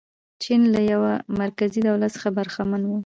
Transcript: چین له یوه مرکزي دولت څخه برخمن و.